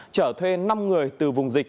trở thuê năm người từ vùng dịch